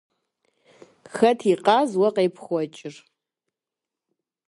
Хэт и къаз уэ къепхуэкӏыр?